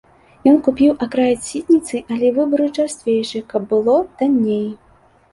Ён купіў акраец сітніцы, але выбраў чарсцвейшы, каб было танней.